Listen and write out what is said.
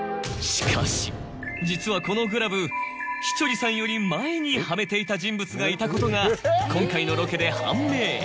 実はこのグラブ稀哲さんより前にはめていた人物がいたことが今回のロケで判明。